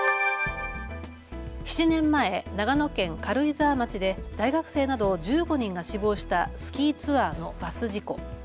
７年前、長野県軽井沢町で大学生など１５人が死亡したスキーツアーのバス事故。